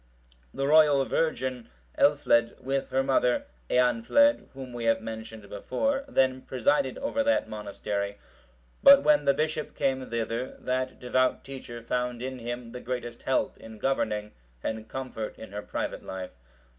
The royal virgin, Elfled,(732) with her mother, Eanfled, whom we have mentioned before, then presided over that monastery; but when the bishop came thither, that devout teacher found in him the greatest help in governing, and comfort in her private life.